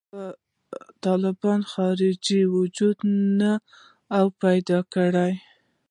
طالبانو خارجي وجود نه و پیدا کړی.